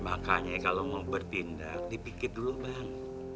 makanya kalau mau bertindak dipikir dulu bang